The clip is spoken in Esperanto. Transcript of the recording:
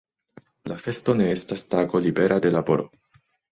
La festo ne estas tago libera de laboro.